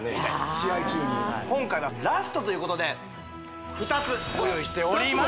試合中に今回ラストということで２つご用意しております